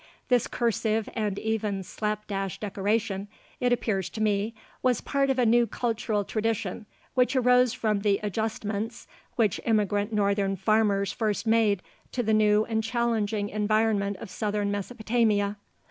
This cursive and even slap dash decoration, it appears to me, was part of a new cultural tradition which arose from the adjustments which immigrant northern farmers first made to the new and challenging environment of southern Mesopotamia.